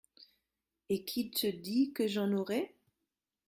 Et qui te dit que j'en aurais ?